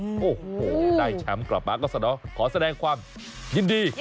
โอ้โหได้แชมป์กลับมาก็สนองขอแสดงความยินดี